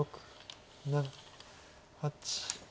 ７８。